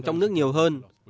trong nước nhiều hơn